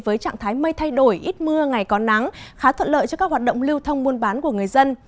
với trạng thái mây thay đổi ít mưa ngày có nắng khá thuận lợi cho các hoạt động lưu thông muôn bán của người dân